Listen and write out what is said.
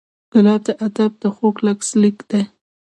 ګلاب د ادب خوږ لاسلیک دی.